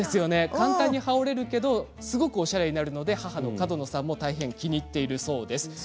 簡単に羽織れるけどすごくおしゃれになるということで、角野さんも気に入っているそうです。